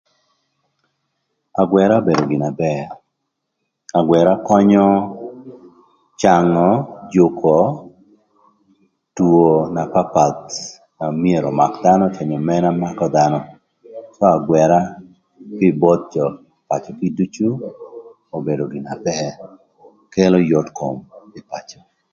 Agwëra obedo gin na bër, agwëra könyö cangö, jükö two na papath na myero ömak dhanö onyo mëna makö dhanö cë agwëra kï both jö ï paci kiducu obedo gin na bër kelo yot kom ï pacö.